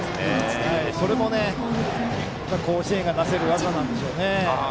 それも甲子園がなせるわざなんでしょうね。